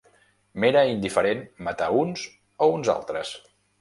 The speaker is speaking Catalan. M'era indiferent matar uns o uns altres.